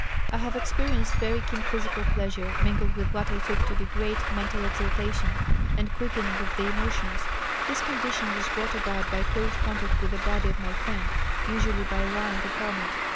I have experienced very keen physical pleasure, mingled with what I took to be great mental exaltation and quickening of the emotions. This condition was brought about by close contact with the body of my friend, usually by lying upon it.